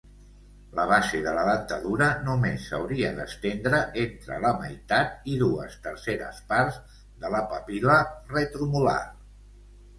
La base de la dentadura només s'hauria d'estendre entre la meitat i dues tercers parts de la papil·la retromolar.